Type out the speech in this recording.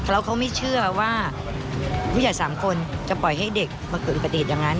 แล้วเขาไม่เชื่อว่าผู้ใหญ่๓คนจะปล่อยให้เด็กมาเกิดอุบัติเหตุอย่างนั้น